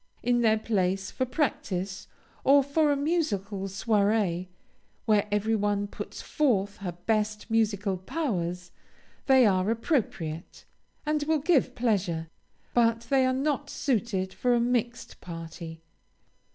In their place, for practice, or for a musical soirée, where every one puts forth her best musical powers, they are appropriate, and will give pleasure, but they are not suited for a mixed party.